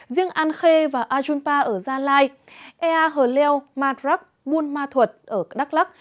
riêng an khê và ajunpa ở gia lai ea hờ leo madrak buôn ma thuật ở đắk lắc